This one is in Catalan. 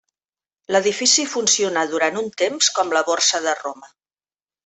L'edifici funcionà durant un temps com la Borsa de Roma.